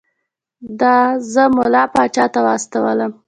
ده زه ملا پاچا ته واستولم.